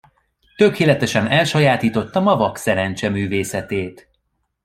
Tökéletesen elsajátítottam a vakszerencse művészetét.